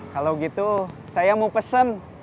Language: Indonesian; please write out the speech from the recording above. kalau gitu saya mau pesen